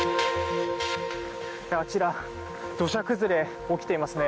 あちら、土砂崩れ起きていますね。